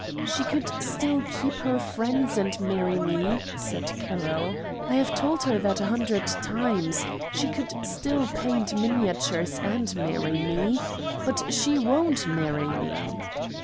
"She could still keep her friends, and marry me," said Carroll; "I have told her that a hundred times. She could still paint miniatures and marry me. But she won't marry me."